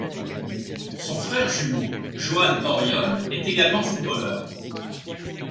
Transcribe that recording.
Son frère jumeau Joan Oriol est également footballeur.